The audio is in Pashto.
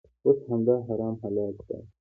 اوس همدا حرام حلال ښکاري.